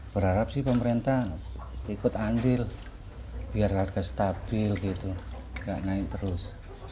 berharap pemerintah ikut andil biar harga stabil tidak naik terus